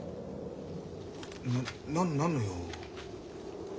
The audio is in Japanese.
なっ何の用？